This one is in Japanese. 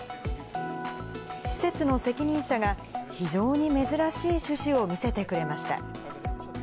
施設の責任者が、非常に珍しい種子を見せてくれました。